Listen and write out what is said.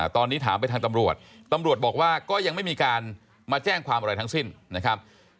ตอนนี้ถามไปทางตำรวจตำรวจบอกว่าก็ยังไม่มีการมาแจ้งความอะไรทั้งสิ้นนะครับ